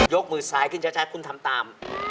ยกมือสายขึ้นช้าคุณทำตาม